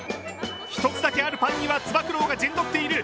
１つだけあるパンには、つば九郎が陣取っている。